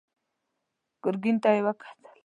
ګرګين ته يې وکتل.